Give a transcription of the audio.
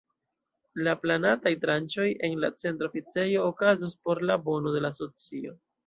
La planataj tranĉoj en la Centra Oficejo okazos por la bono de la asocio.